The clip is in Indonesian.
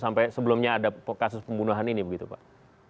sampai sebelumnya ada kasus pembunuhan ini begitu pak